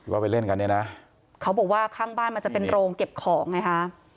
ว่าไปเล่นกันเนี่ยนะเขาบอกว่าข้างบ้านมันจะเป็นโรงเก็บของไงฮะ